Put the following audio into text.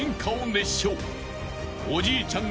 ［おじいちゃん